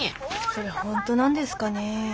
それ本当なんですかね？